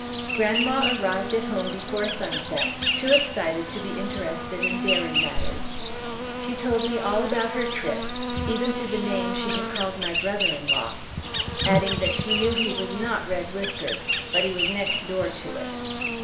Grandma arrived at home before sunset, too excited to be interested in dairy matters. She told me all about her trip, even to the name she had called my brother in law, adding that she knew he was "not red whiskered, but he was next door to it."